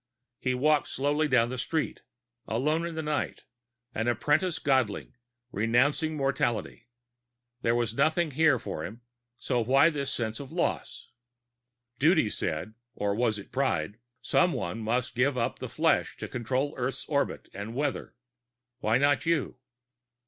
He walked slowly down the street, alone in the night, an apprentice godling renouncing mortality. There was nothing here for him, so why this sense of loss? Duty said (or was it Pride?): "Someone must give up the flesh to control Earth's orbit and weather why not you?"